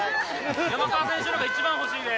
山川選手のが一番欲しいです。